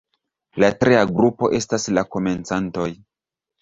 La tria grupo estas la komencantoj.